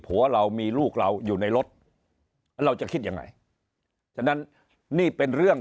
เรามีลูกเราอยู่ในรถเราจะคิดยังไงฉะนั้นนี่เป็นเรื่อง